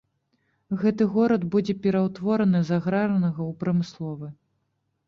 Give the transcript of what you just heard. Гэты горад будзе пераўтвораны з аграрнага ў прамысловы.